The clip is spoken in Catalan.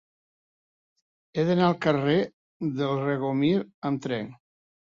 He d'anar al carrer del Regomir amb tren.